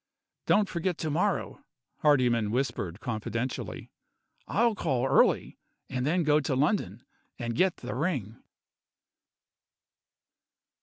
"Don't forget to morrow," Hardyman whispered confidentially. "I'll call early and then go to London, and get the ring."